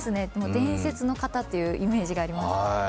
伝説の方というイメージがあります。